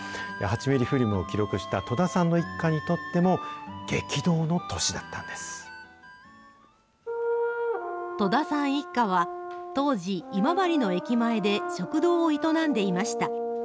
８ミリフィルムを記録した戸田さんの一家にとっても、激動の年だ戸田さん一家は、当時、今治の駅前で食堂を営んでいました。